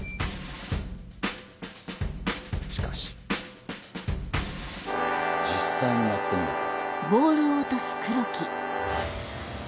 しかし実際にやってみると。